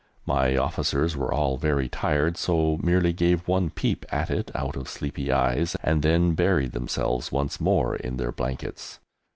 My officers were all very tired, so merely gave one peep at it out of sleepy eyes, and then buried themselves once more in their blankets.